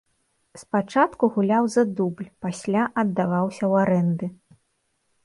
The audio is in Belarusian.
Спачатку гуляў за дубль, пасля аддаваўся ў арэнды.